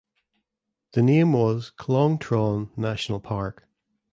The name was "Khlong Tron National park".